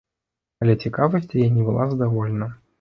Але цікавасць яе не была задаволена.